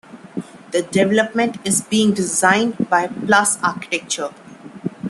The development is being designed by Plus Architecture.